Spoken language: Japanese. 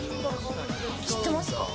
知ってますか？